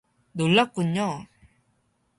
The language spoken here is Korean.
놀랍군요.